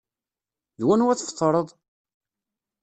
D wanwa tefḍreḍ?